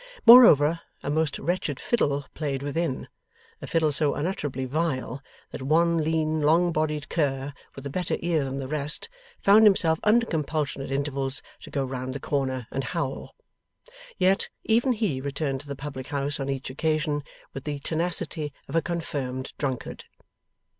Moreover, a most wretched fiddle played within; a fiddle so unutterably vile, that one lean long bodied cur, with a better ear than the rest, found himself under compulsion at intervals to go round the corner and howl. Yet, even he returned to the public house on each occasion with the tenacity of a confirmed drunkard.